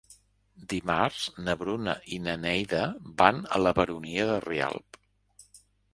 Dimarts na Bruna i na Neida van a la Baronia de Rialb.